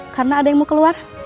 karena ada yang mau keluar